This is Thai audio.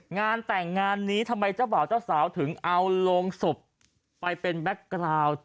งานแต่งงานนี้ทำไมเจ้าบ่าวเจ้าสาวถึงเอาโรงศพไปเป็นแก๊กกราว